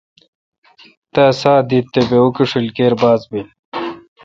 تا ساہ دیت تے° بہ اوکوشیل کیر باز بیل۔